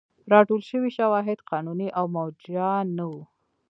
راټول شوي شواهد قانوني او موجه نه وو.